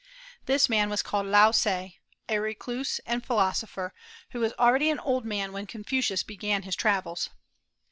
This man was called Lao tse, a recluse and philosopher, who was already an old man when Confucius began his travels.